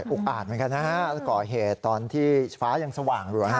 อุ๊คอ่านเหมือนกันนะฮะก่อเหตุตอนที่ฟ้ายังสว่างดูนะฮะ